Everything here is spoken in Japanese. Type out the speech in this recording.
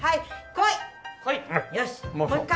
来い！